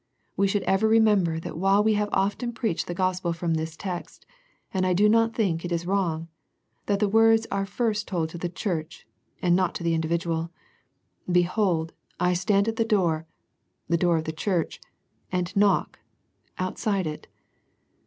We should ever remem ber that while we have often preached the Gospel from this text, and I do not think it is wrong, that the words are first to the church and not to the individual. " Behold, I stand at the door," the door of the church, " and knock," outside it.